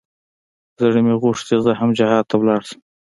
زړه مې غوښت چې زه هم جهاد ته ولاړ سم.